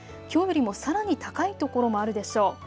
きょうよりもさらに高い所もあるでしょう。